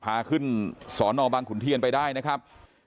พาขึ้นสอนอบังขุนเทียนไปได้นะครับ